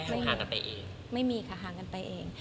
ห่างกันไปเองไม่มีค่ะห่างกันไปเอง